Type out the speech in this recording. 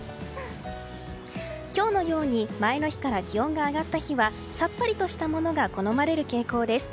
今日のように前の日から気温が上がった日はさっぱりとしたものが好まれる傾向です。